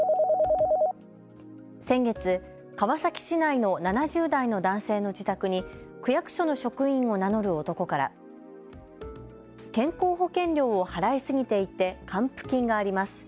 先月、川崎市内の７０代の男性の自宅に区役所の職員を名乗る男から健康保険料を払い過ぎていて還付金があります。